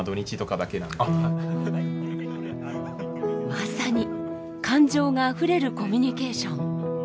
まさに感情があふれるコミュニケーション。